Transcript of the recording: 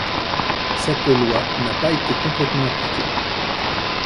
Cette loi n'a pas été complètement appliquée.